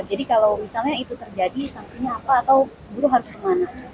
jadi kalau misalnya itu terjadi saksinya apa atau buruh harus kemana